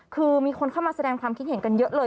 คือมีคนเข้ามาแสดงความคิดเห็นกันเยอะเลย